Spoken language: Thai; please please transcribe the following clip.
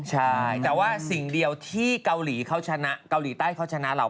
ใช่แต่ว่าสิ่งเดียวที่เกาหลีเขาชนะเกาหลีใต้เขาชนะเรา